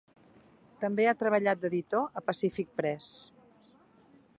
També ha treballat d'editor a Pacific Press.